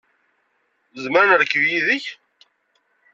Nezmer ad nerkeb yid-k?